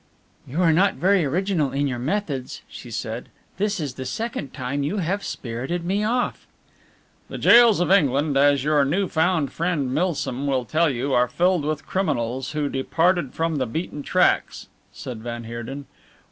"You are not very original in your methods," she said, "this is the second time you have spirited me off." "The gaols of England, as your new found friend Milsom will tell you, are filled with criminals who departed from the beaten tracks," said van Heerden.